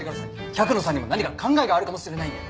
百野さんにも何か考えがあるかもしれないんで。